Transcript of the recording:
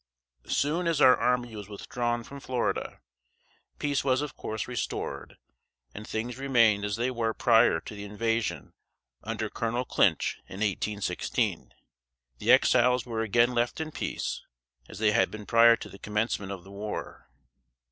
Soon as our army was withdrawn from Florida, peace was of course restored, and things remained as they were prior to the invasion under Colonel Clinch, in 1816. The Exiles were again left in peace, as they had been prior to the commencement of the war.